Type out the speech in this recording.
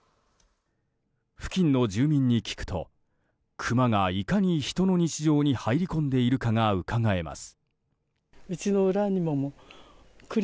付近の住民に聞くとクマがいかに人の日常に入り込んでいるかがうかがえます。